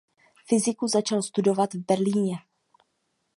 Fyziku začal studovat v Berlíně.